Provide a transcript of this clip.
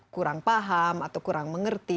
kurang paham atau kurang mengerti